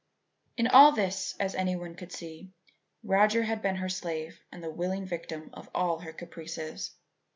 In all this, as any one could see, Roger had been her slave and the willing victim of all her caprices.